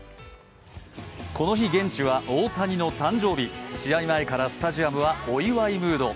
この日、現地は大谷の誕生日試合前からスタジアムはお祝いムード。